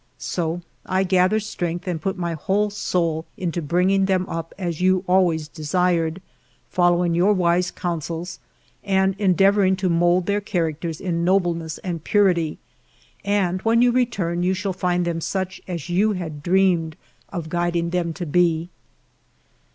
So I gather strength and put my whole soul into bring ing them up as you always desired, following your wise counsels and endeavoring to mould their characters in nobleness and purity ; and when you return you shall find them such as you had dreamed of guiding them to be."